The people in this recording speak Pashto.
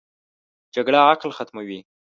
جګړه عقل ختموي